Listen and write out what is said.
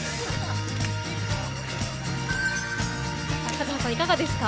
カズハさん、いかがですか？